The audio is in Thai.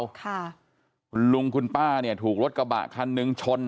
ค่ะคุณลุงคุณป้าเนี่ยถูกรถกระบะคันหนึ่งชน